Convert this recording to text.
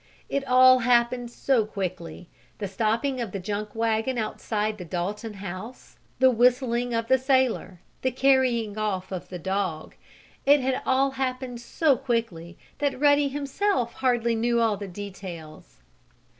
It had all happened so quickly the stopping of the junk wagon outside the Dalton house, the whistling of the sailor, the carrying off of the dog it had all happened so quickly that Ruddy himself hardly knew all the details.